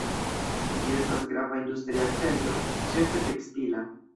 Ĝi estas grava industria centro, ĉefe tekstila.